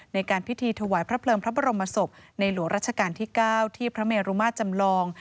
ในการพิธีถวายพระเพลิงพระบรมศพในหลวงราชการที่๙ที่พระเมรุมาตรจำลอง